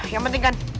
yang penting kan